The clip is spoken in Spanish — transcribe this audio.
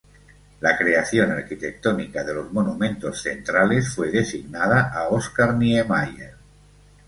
La creación arquitectónica de los monumentos centrales fue designada a Oscar Niemeyer.